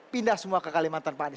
pindah semua ke kalimantan pak anies